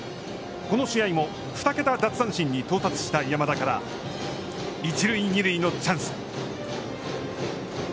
この試合も二桁奪三振に到達した山田から一塁二塁のチャンス。